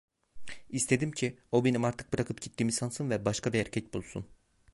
İstedim ki, o benim artık bırakıp gittiğimi sansın ve başka bir erkek bulsun.